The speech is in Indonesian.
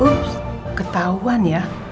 ups ketahuan ya